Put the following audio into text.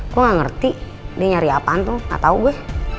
gue gak ngerti dia nyari apaan tuh gak tau gue